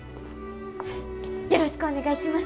よろしくお願いします！